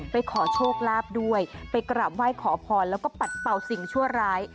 ไปขอโชคลาภด้วยไปกราบไหว้ขอพรแล้วก็ปัดเป่าสิ่งชั่วร้าย